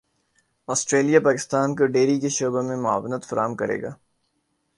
Australia Pakistan کو dairy کے شعبے میں معاونت فراہم کرے گا